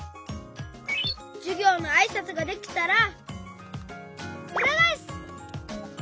じゅぎょうのあいさつができたらうらがえす！